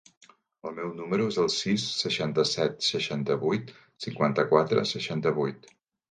El meu número es el sis, seixanta-set, seixanta-vuit, cinquanta-quatre, seixanta-vuit.